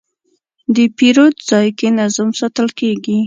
د پیرود ځای کې نظم ساتل کېږي.